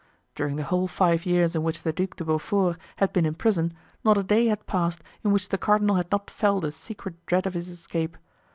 During the whole five years in which the Duc de Beaufort had been in prison not a day had passed in which the cardinal had not felt a secret dread of his escape.